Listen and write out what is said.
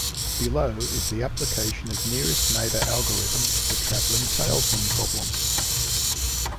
Below is the application of nearest neighbour algorithm to the travelling salesman problem.